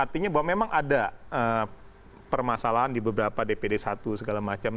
artinya bahwa memang ada permasalahan di beberapa dpd satu segala macam